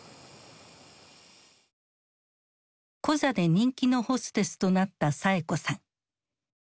コザで人気のホステスとなったサエ子さん。